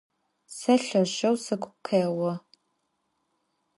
Se lheşşeu sıgu khêo.